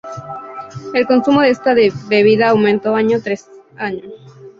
El consumo de esta bebida aumentó año tras año.